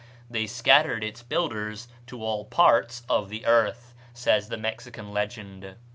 "They scattered its builders to all parts of the earth," says the Mexican legend.